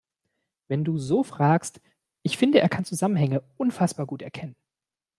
Wenn du so fragst, ich finde, er kann Zusammenhänge unfassbar gut erkennen.